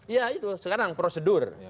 ya itu sekarang prosedur